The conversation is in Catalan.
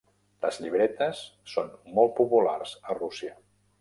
Les llibretes són molt populars a Rússia.